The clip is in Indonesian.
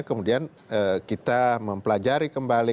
kemudian kita mempelajari kembali